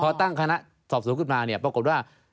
พอตั้งคณะสอบสวนขึ้นมาเนี่ยปรากฏว่า